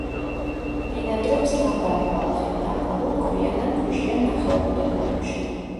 ბინადრობს დაბალი ბალახით დაფარულ, ქვიან ან ქვიშიან ნახევარუდაბნოებში.